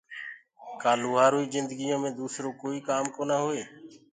ڪآ لوهآروئي جندگيو مي دوسرو ڪوئي ڪآم ڪونآ هوسگي